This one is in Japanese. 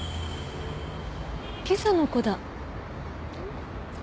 今朝の子だ。